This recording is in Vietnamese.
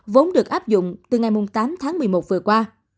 vốn được áp dụng từ ngày tám tháng một mươi một vừa qua